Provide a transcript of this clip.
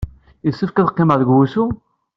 Yessefk ad qqimeɣ deg wusu?